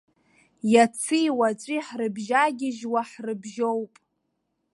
Иаци уаҵәи ҳрыбжьагьежьуа ҳрыбжьоуп.